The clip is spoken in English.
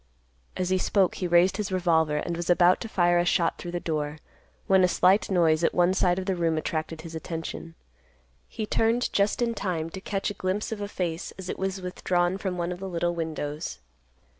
As he spoke he raised his revolver, and was about to fire a shot through the door, when a slight noise at one side of the room attracted his attention. He turned just in time to catch a glimpse of a face as it was withdrawn from one of the little windows.